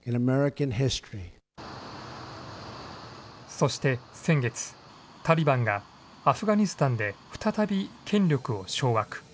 そして先月、タリバンがアフガニスタンで再び権力を掌握。